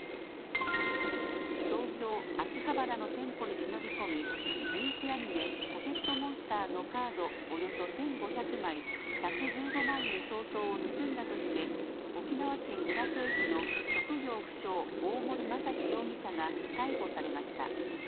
東京秋葉原の店舗に忍び込み人気アニメ、ポケットモンスターのカードおよそ１５００枚、１１５万円相当を盗んだとして沖縄県浦添市の職業不詳、大森正樹容疑者が逮捕されました。